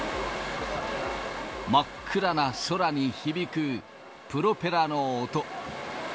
真っ暗な空に響くプロペラの音。